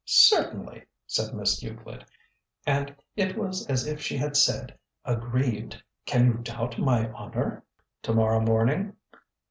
"Certainly!" said Miss Euclid. And it was as if she had said, aggrieved: "Can you doubt my honour?" "To morrow morning?"